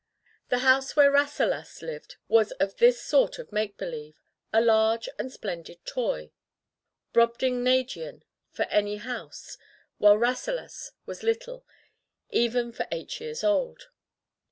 The house where Rasselas lived was of this sort of make believe, a large and splendid toy, Brobdingnagian for any house, while Rasselas was little, even for eight years old.